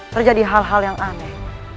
terjadi hal hal yang aneh